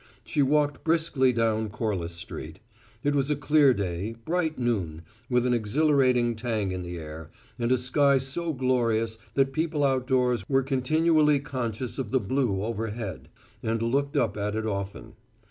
She walked briskly down Corliss Street. It was a clear day, bright noon, with an exhilarating tang in the air, and a sky so glorious that people outdoors were continually conscious of the blue overhead, and looked up at it often.